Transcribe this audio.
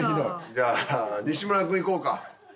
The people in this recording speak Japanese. じゃあ西村君いこうか。